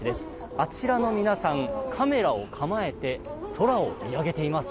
あちらの皆さん、カメラを構えて空を見上げています。